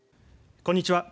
こんにちは。